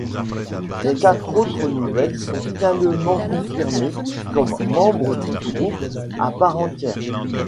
Les quatre autres nouvelles sont finalement confirmées comme membres du groupe à part entière.